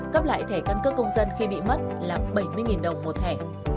cấp lại thẻ căn cước công dân khi bị mất là bảy mươi đồng một thẻ